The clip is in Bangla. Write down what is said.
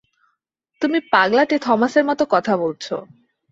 তুমি পাগলাটে থমাসের মত কথা বলছো।